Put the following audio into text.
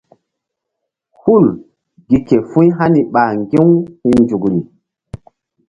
Hul gi ke fu̧y hani ɓa ŋgi̧-u hi̧ nzukri.